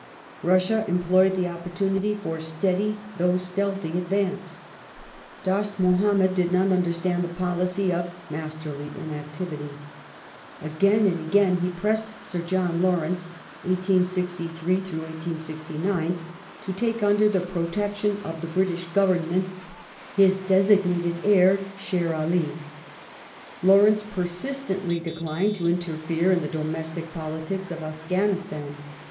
Russia employed the opportunity for steady though stealthy advance. Dost Muhammad did not understand the policy of " masterly inactivity ". Again and again he pressed Sir John Lawrence (1863 1869) to take under the protection of the British Government his designated heir Sher Ali. Lawrence persistently declined to interfere in the domestic politics of Afghanistan.